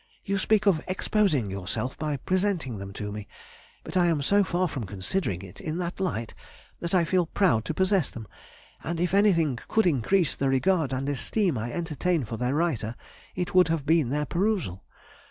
You speak of "exposing yourself" by presenting them to me, but I am so far from considering it in that light, that I feel proud to possess them, and if anything could increase the regard and esteem I entertain for their writer, it would have been their perusal.